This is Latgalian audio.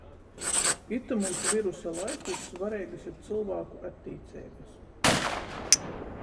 Itymūs virusa laikūs svareigys ir cylvāku attīceibys.